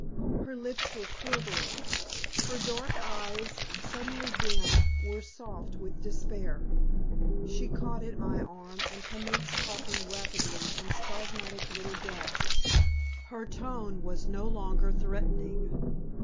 Her lips were quivering, her dark eyes, suddenly dim, were soft with despair. She caught at my arm and commenced talking rapidly in spasmodic little gasps. Her tone was no longer threatening.